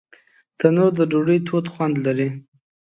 تنور د ډوډۍ تود خوند لري